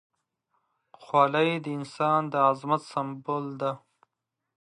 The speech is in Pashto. خولۍ د انسان د عظمت سمبول ده.